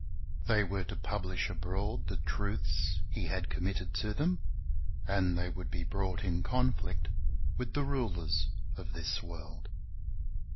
They were to publish abroad the truths He had committed to them, and they would be brought in conflict with the rulers of this world.